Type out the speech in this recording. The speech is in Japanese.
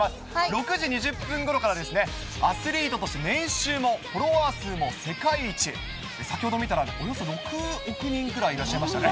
６時２０分ごろからアスリートとして、年収もフォロワー数も世界一、先ほど見たらおよそ６億人ぐらいいらっしゃいましたね。